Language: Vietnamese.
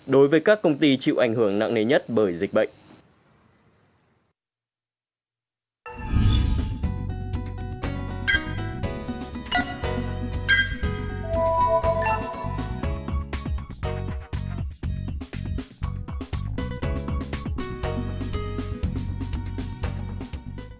đối với các công ty chịu ảnh hưởng nặng nề nhất bởi dịch bệnh